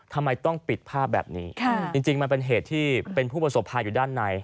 ทำไมต้องปิดภาพแบบนี้จริงมันเป็นเหตุที่เป็นผู้ประสบภัยอยู่ด้านใน